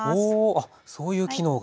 あっそういう機能が。